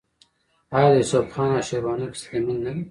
آیا د یوسف خان او شیربانو کیسه د مینې نه ده؟